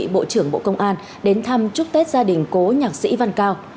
bộ trưởng bộ công an đến thăm chúc tết gia đình cố nhạc sĩ văn cao